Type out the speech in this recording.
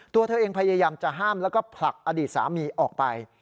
ตัวเธอเองพยายามจะห้ามแล้วก็ผลักอดีตสามีออกไป